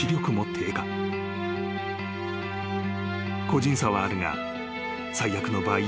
［個人差はあるが最悪の場合